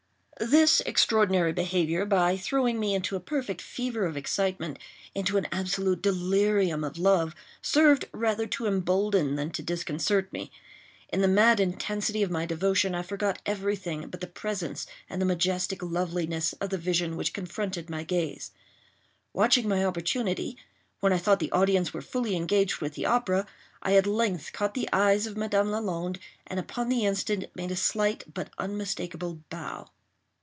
This extraordinary behavior, by throwing me into a perfect fever of excitement—into an absolute delirium of love—served rather to embolden than to disconcert me. In the mad intensity of my devotion, I forgot everything but the presence and the majestic loveliness of the vision which confronted my gaze. Watching my opportunity, when I thought the audience were fully engaged with the opera, I at length caught the eyes of Madame Lalande, and, upon the instant, made a slight but unmistakable bow.